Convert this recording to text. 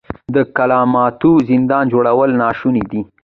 د کلماتو زندان جوړول ناشوني دي.